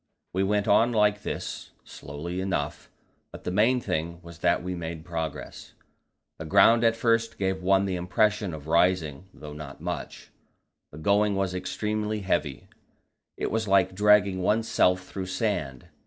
We went on like this, slowly enough, but the main thing was that we made progress. The ground at first gave one the impression of rising, though not much. The going was extremely heavy; it was like dragging oneself through sand.